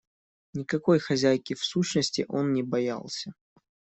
Никакой хозяйки, в сущности, он не боялся.